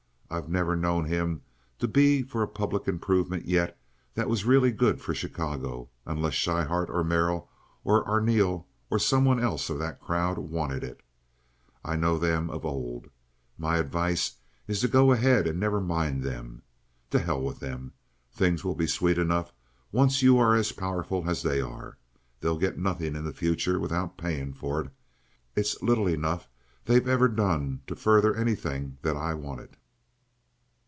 I've never known him to be for a public improvement yet that was really good for Chicago unless Schryhart or Merrill or Arneel or someone else of that crowd wanted it. I know them of old. My advice is to go ahead and never mind them. To hell with them! Things will be sweet enough, once you are as powerful as they are. They'll get nothing in the future without paying for it. It's little enough they've ever done to further anything that I wanted.